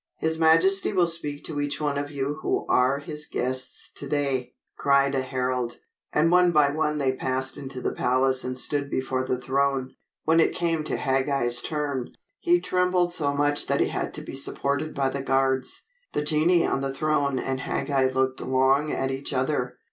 "His majesty will speak to each one of you who are his guests today," cried a herald, and one by one they passed into the palace and stood before the throne. When it came to Hagag's turn, he trembled so much that he had to be supported by the guards. The genii on the throne and Hagag looked long at each other.